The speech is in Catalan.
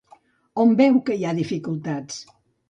On veu que hi ha dificultats?